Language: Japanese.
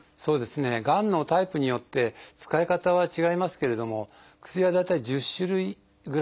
がんのタイプによって使い方は違いますけれども薬は大体１０種類ぐらいですね。